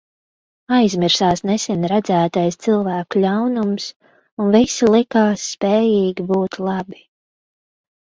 Aizmirsās nesen redzētais cilvēku ļaunums, un visi likās spējīgi būt labi.